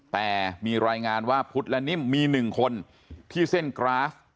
แต่มีรายงานว่าพุทธและนิ่มมี๑คนที่เส้นกราฟ